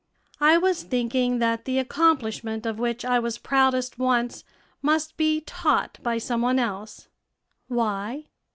"I was thinking that the accomplishment of which I was proudest once must be taught by some one else." "Why?"